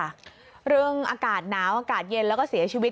ฟังครับค่ะเรื่องอากาศน้าอากาศเย็นและก็เสียชีวิต